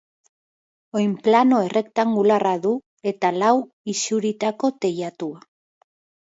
Oinplano errektangularra du eta lau isuritako teilatua.